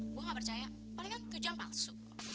gua gak percaya palingan tujuan palsu